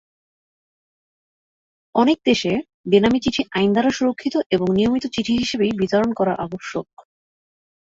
অনেক দেশে, বেনামী চিঠি আইন দ্বারা সুরক্ষিত এবং নিয়মিত চিঠি হিসাবেই বিতরণ করা আবশ্যক।